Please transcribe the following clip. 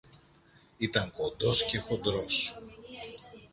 ήταν κοντός και χοντρός